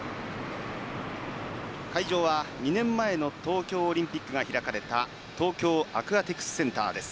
会場は２年前の東京オリンピックが開かれた東京アクアティクスセンターです。